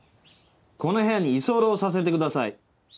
この部屋に居候させてください。